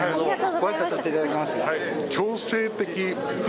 ご挨拶させていただきます。